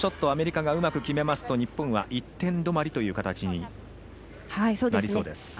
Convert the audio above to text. アメリカがうまく決めますと日本は１点止まりという形になりそうです。